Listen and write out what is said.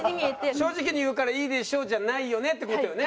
正直に言うからいいでしょじゃないよねって事よね。